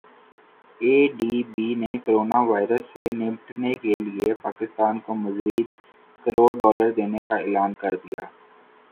اے D B نے corona virus سے نمٹنے کیلئے پاکستان کو مزید کروڑ ڈالر دینے کا اعلان کردیا